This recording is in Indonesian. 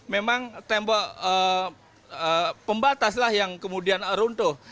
memang tembok pembataslah yang kemudian runtuh